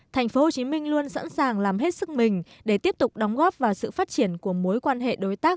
tp hcm luôn sẵn sàng làm hết sức mình để tiếp tục đóng góp vào sự phát triển của mối quan hệ đối tác